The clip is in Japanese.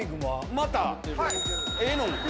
またええのん。